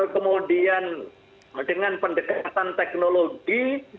kemudian dengan pendekatan teknologi